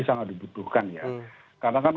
sangat dibutuhkan ya karena kan